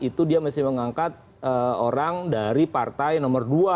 itu dia mesti mengangkat orang dari partai nomor dua